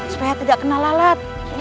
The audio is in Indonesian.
supaya tidak kena lalat